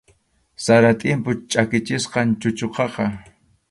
Sara tʼimpu chʼakichisqam chuchuqaqa.